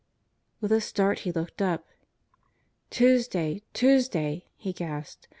With a start he looked up. "Tuesday, Tuesday," he gasped.